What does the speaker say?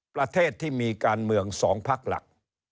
ประเทศที่มีการเมือง๒พักหลัก